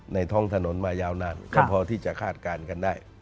ท้องถนนมายาวนานก็พอที่จะคาดการณ์กันได้